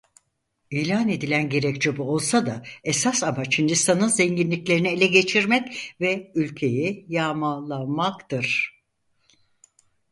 İlan edilen gerekçe bu olsa da esas amaç Hindistan'ın zenginliklerini ele geçirmek ve ülkeyi yağmalamaktır.